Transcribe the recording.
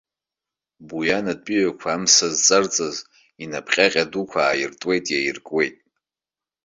Буиан атәыҩақәа амса зҵарҵаз инап ҟьаҟьа дуқәа ааиртуеит, иаиркуеит.